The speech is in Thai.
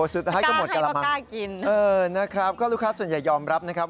สุดท้ายก็หมดกระมังน่ากินเออนะครับก็ลูกค้าส่วนใหญ่ยอมรับนะครับ